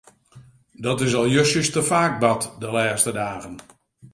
Dat is al justjes te faak bard de lêste dagen.